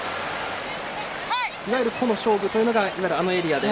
いわゆる個の勝負というのがあのエリアで。